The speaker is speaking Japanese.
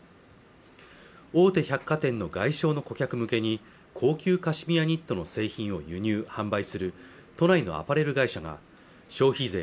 大手百貨店の外商の顧客向けに高級カシミヤニットの製品を輸入販売する都内のアパレル会社が消費税